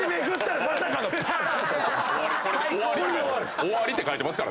おわりって書いてますから。